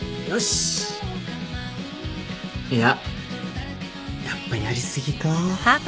やっぱやり過ぎか。